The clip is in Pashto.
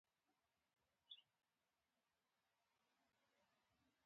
جمال خان وویل چې د هغه ټنډه څیرې ده